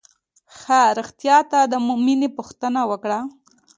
ښه رښتيا تا د مينې پوښتنه وکړه.